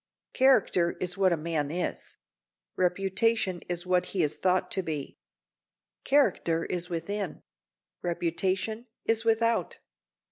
Character is what a man is; reputation is what he is thought to be. Character is within; reputation is without.